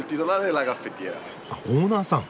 あっオーナーさん。